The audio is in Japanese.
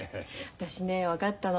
私ね分かったの